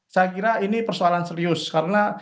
saya kira ini persoalan serius karena